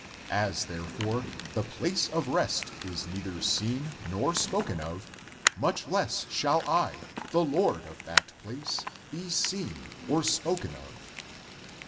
As, therefore, the place of rest is neither seen nor spoken of, much less shall I, the Lord of that place, be seen (or spoken of).